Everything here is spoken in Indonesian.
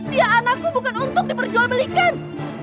dia anakku bukan untuk diperjual belikan